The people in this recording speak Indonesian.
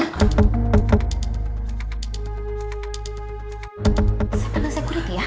saya pegang security ya